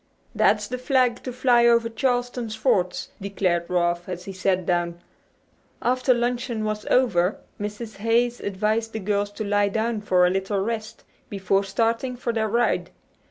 "That's the flag to fly over Charleston's forts!" declared Ralph as he sat down. After luncheon was over Mrs. Hayes advised the girls to lie down for a little rest before starting for their ride.